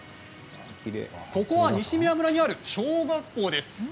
ここは西目屋村にある小学校です。